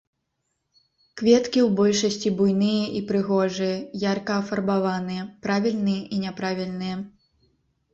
Кветкі ў большасці буйныя і прыгожыя, ярка афарбаваныя, правільныя і няправільныя.